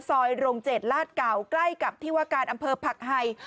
ซอยรง๗ลาด๙ใกล้กับที่วาการอำเภอผักไห่